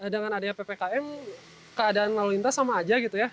dengan adanya ppkm keadaan lalu lintas sama aja gitu ya